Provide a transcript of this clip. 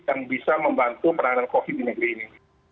yang bisa membantu penanganan covid di negeri ini